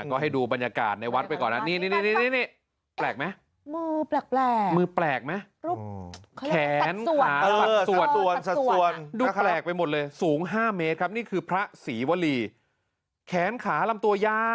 ก็ให้ดูบรรยากาศในวัดไปก่อนนะ